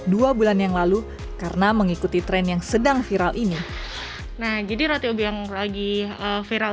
dua bulan yang lalu karena mengikuti tren yang sedang viral ini nah jadi roti obi yang lagi viral